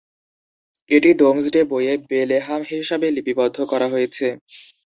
এটি ডোমসডে বইয়ে বেলেহাম হিসাবে লিপিবদ্ধ করা হয়েছে।